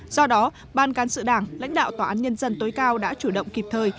do đó ban cán sự đảng lãnh đạo tòa án nhân dân tối cao đã chủ động kịp thời